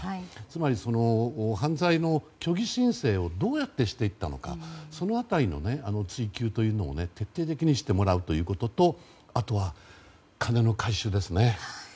つまり、犯罪の虚偽申請をどうやってしていったのかその辺りの追及を徹底的にしてもらうこととあとは金の回収ですね。